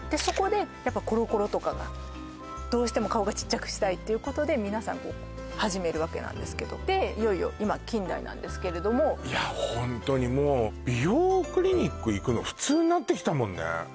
そこでやっぱコロコロとかがどうしても顔がちっちゃくしたいっていうことで皆さん始めるわけなんですけどでいよいよ今近代なんですけれどもいやホントにもう美容クリニック行くの普通になってきたもんね